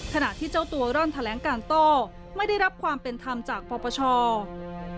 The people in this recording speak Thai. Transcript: ขณะที่เจ้าตัวร่อนแถลงการโต้ไม่ได้รับความเป็นธรรมจากปปช